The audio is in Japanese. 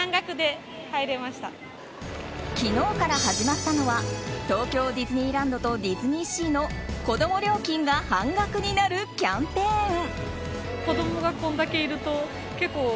昨日から始まったのは東京ディズニーランドとディズニーシーの子供料金が半額になるキャンペーン。